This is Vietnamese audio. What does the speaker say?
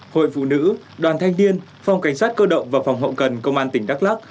hội phụ nữ đoàn thanh niên phòng cảnh sát cơ động và phòng hậu cần công an tỉnh đắk lắc